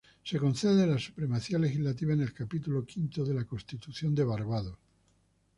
Se concede la supremacía legislativa en el Capítulo V de la Constitución de Barbados.